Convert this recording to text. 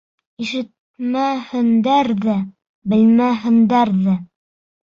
Ишетмәһендәр ҙә, белмәһендәр ҙә.